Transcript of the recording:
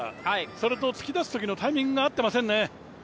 それと突き出すときのタイミングが合っていませんね。